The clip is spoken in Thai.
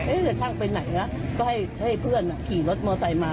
เอ๊ะช่างไปไหนล่ะก็ให้เพื่อนอ่ะขี่รถมอเตอร์ไทยมา